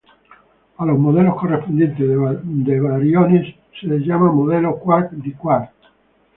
A los modelos correspondientes de bariones se les llama modelos quark–diquark.